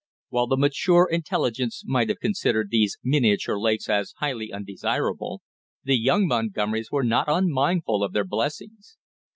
While the mature intelligence might have considered these miniature lakes as highly undesirable, the young Montgomerys were not unmindful of their blessings.